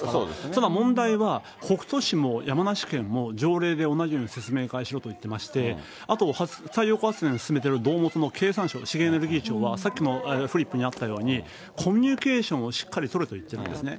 ただ問題は、北杜市も山梨県も条例で同じように説明会をしろと言ってまして、あと、太陽光発電進めている胴元の経産省、資源エネルギー庁は、さっきもフリップにあったように、コミュニケーションをしっかり取れと言ってるんですね。